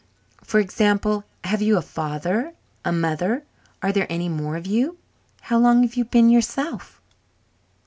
For example, have you a father a mother? Are there any more of you? How long have you been yourself?"